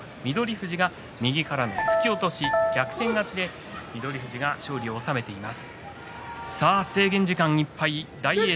富士が右からの突き落とし逆転勝ちで翠富士が勝利を収めています。